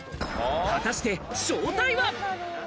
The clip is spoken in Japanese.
果たして正体は？